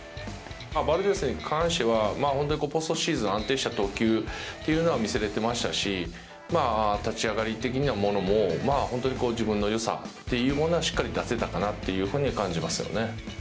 バルデスに関しては本当にポストシーズン安定した投球っていうのは見せれていましたし、立ち上がり的なものも本当に自分のよさをしっかり出せたかなと感じましたね。